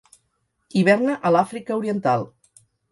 Hiverna a l'Àfrica Oriental.